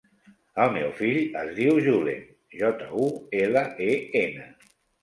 El meu fill es diu Julen: jota, u, ela, e, ena.